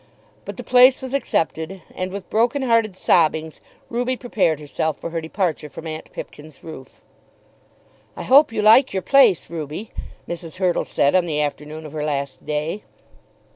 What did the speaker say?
But the place was accepted, and with broken hearted sobbings Ruby prepared herself for her departure from aunt Pipkin's roof. "I hope you like your place, Ruby," Mrs. Hurtle said on the afternoon of her last day.